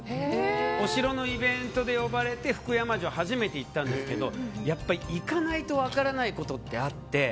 お城のイベントで呼ばれて福山城に初めて行ったんですがやっぱり、行かないと分からないことってあって。